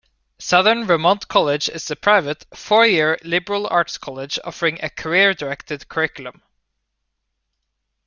Southern Vermont College is a private, four-year, liberal arts college offering a career-directed curriculum.